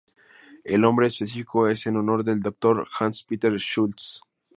El nombre específico es en honor del Dr. Hans-Peter Schultze.